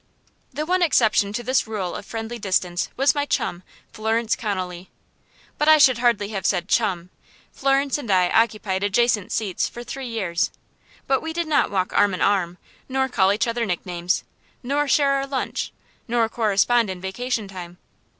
The one exception to this rule of friendly distance was my chum, Florence Connolly. But I should hardly have said "chum." Florence and I occupied adjacent seats for three years, but we did not walk arm in arm, nor call each other nicknames, nor share our lunch, nor correspond in vacation time.